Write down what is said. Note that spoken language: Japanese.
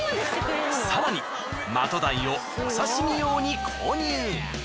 更にマトウダイをお刺身用に購入。